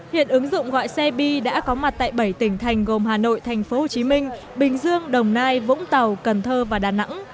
hiện ứng dụng gọi xe bi đã có mặt tại bảy tỉnh thành gồm hà nội tp hcm bình dương đồng nai vũng tàu cần thơ và đà nẵng